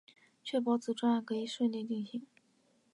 确保此专案可以顺利进行